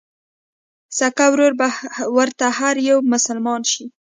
سکه ورور به ورته هر يو مسلمان شي